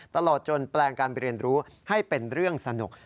ตลอดจนแปลงการเรียนรู้ให้เป็นเรื่องสนุก